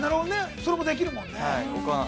それもできるもんね。